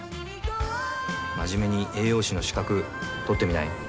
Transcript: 真面目に栄養士の資格取ってみない？